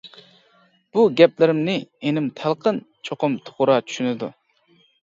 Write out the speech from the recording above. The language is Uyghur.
بۇ گەپلىرىمنى ئىنىم تەلقىن چوقۇم توغرا چۈشىنىدۇ.